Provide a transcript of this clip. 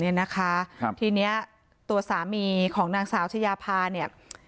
นี่นะคะทีนี้ตัวสามีของนางสาวชะยาพาเนี่ย